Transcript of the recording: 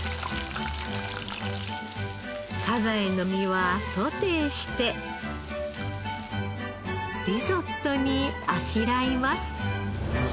サザエの身はソテーしてリゾットにあしらいます。